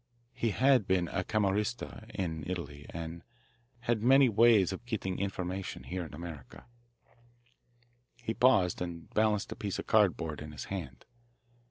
He had been a Camorrista, in Italy, and had many ways of getting information here in America." He paused, and balanced a piece of cardboard in his hand.